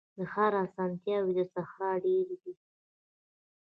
د ښار اسانتیاوي تر صحرا ډیري دي.